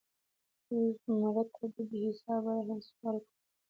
مړه ته د بې حسابه رحم سوال کوو